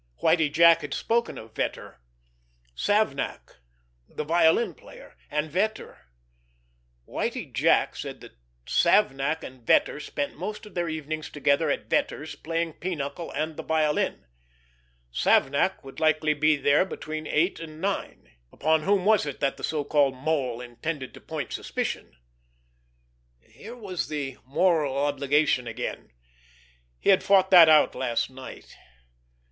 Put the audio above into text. Whitie Jack had spoken of Vetter ... Savnak, the violin player, and Vetter ... Whitie Jack said that Savnak and Vetter spent most of their evenings together at Vetter's playing pinochle and the violin.... Savnak would likely be there then between eight and nine.... Upon whom was it that the so called Mole intended to point suspicion?... Here was the moral obligation again.... He had fought that out last night....